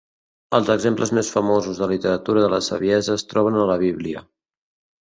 Els exemples més famosos de literatura de la saviesa es troben a la Bíblia.